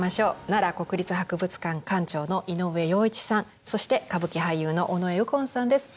奈良国立博物館館長の井上洋一さんそして歌舞伎俳優の尾上右近さんです。